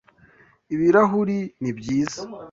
Ibirahuri ni byiza.